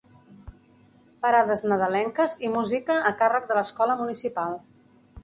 Parades nadalenques i música a càrrec de l'Escola Municipal.